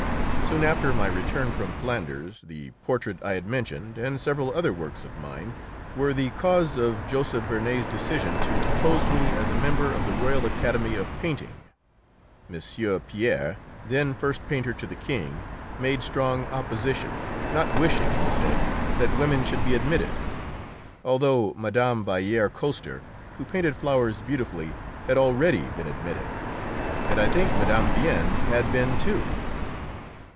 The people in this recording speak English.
Soon after my return from Flanders, the portrait I had mentioned, and several other works of mine, were the cause of Joseph Vernet's decision to propose me as a member of the Royal Academy of Painting. M. Pierre, then first Painter to the King, made strong opposition, not wishing, he said, that women should be admitted, although Mme. Vallayer Coster, who painted flowers beautifully, had already been admitted, and I think Mme. Vien had been, too.